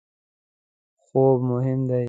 خوب مهم دی